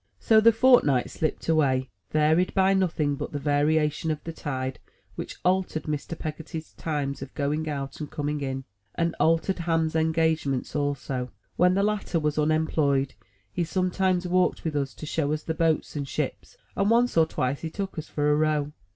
So the fortnight slipped away, varied by nothing but the variation of the tide, which altered Mr. Peggotty's times of going out and coming in, and altered Ham's engagements also. When the latter was unemployed, he sometimes walked with us to show us the boats and ships, and once or twice he took us for a row.